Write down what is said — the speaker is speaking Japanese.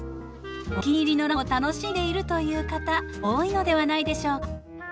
お気に入りのランを楽しんでいるという方多いのではないでしょうか。